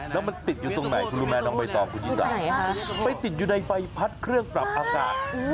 แล้วมันติดอยู่ตรงไหนคุณลุมานอ๋อไปติดอยู่ในไฟพัดเครื่องปรับอากาศ